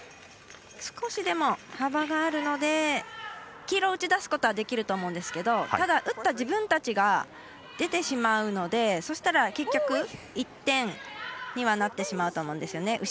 少し、でも幅があるので黄色を打ち出すことはできると思いますが打った自分たちが出てしまうので、そうしたら結局１点にはなってしまうと思うんですよね。